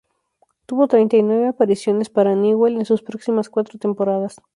Tuvo treinta y nueve apariciones para Newell en sus próximas cuatro temporadas.